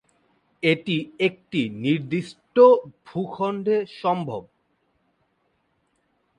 এটি একটি নির্দিষ্ট ভূখণ্ডে সম্ভব।